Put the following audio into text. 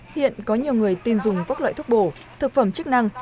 hiện có nhiều người tin dùng các loại thuốc bổ thực phẩm chức năng